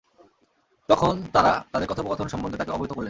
তখন তারা তাদের কথোপকথন সম্বন্ধে তাকে অবহিত করলেন।